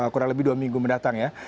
kurang lebih dua minggu mendatang ya